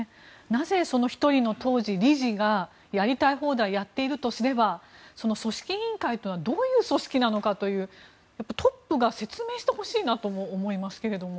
なぜ１人の当時の理事がやりたい放題やっているとすれば組織委員会というのはどういう組織なのかというトップが説明してほしいなとも思いますけども。